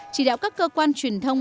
ba chỉ đạo các cơ quan truyền thông